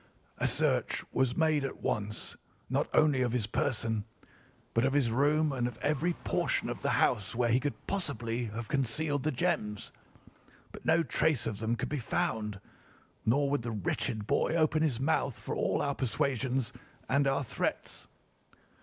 A search was made at once not only of his person but of his room and of every portion of the house where he could possibly have concealed the gems; but no trace of them could be found, nor would the wretched boy open his mouth for all our persuasions and our threats.